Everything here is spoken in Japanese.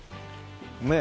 ねえ。